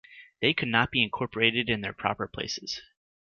They could not be incorporated in their proper places.